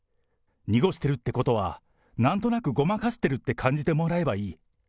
濁してるってことは、なんとなくごまかしてるって感じてもらえばいい。